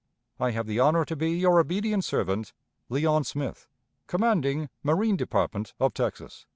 I have the honor to be your obedient servant, "LEON SMITH, "_Commanding Marine Department of Texas.